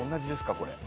これ。